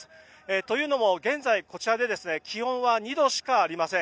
というのも、現在こちらで気温は２度しかありません。